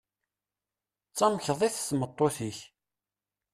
D tamekdit tmeṭṭut-ik?